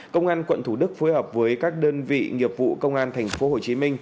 công an quận thủ đức phối hợp với các đơn vị nghiệp vụ công an tp hcm